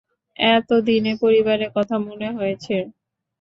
এতদিনে পরিবারের কথা মনে হয়েছে।